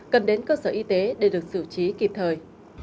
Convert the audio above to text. cần đến cơ sở y tế để được xử trí kịp thời